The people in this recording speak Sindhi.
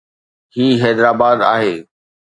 هي حيدرآباد آهي